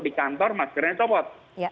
di kantor maskernya copot